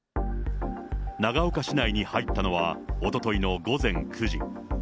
長岡市内に入ったのはおとといの午前９時。